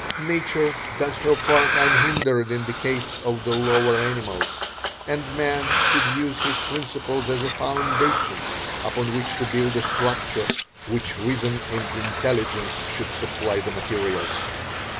Nature does her part unhindered in the case of the lower animals, and man should use her principles as a foundation upon which to build a structure which reason and intelligence should supply the materials.